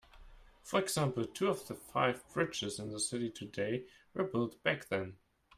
For example, two of the five bridges in the city today were built back then.